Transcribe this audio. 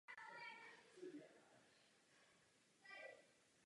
Vzpomeneš si na nějakého vyučujícího, který jen četl text ze slajdů?